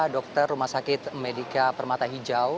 dokter rumah sakit medika permata hijau